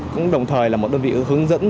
cũng đồng thời là một đơn vị hướng dẫn